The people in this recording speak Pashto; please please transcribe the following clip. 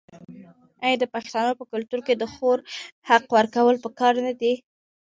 آیا د پښتنو په کلتور کې د خور حق ورکول پکار نه دي؟